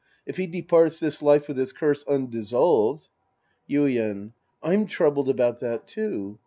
If he departs this life with his curse undissolved — Yuien. I'm troubled about that, too.